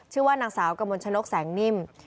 ชื่อว่านางสาวกมลชนกแสงนิ่ม